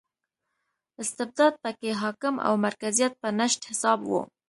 استبداد په کې حاکم او مرکزیت په نشت حساب و.